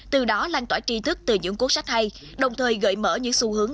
từ đó lan tỏa tri thức từ những cuốn sách hay đồng thời gợi mở những xu hướng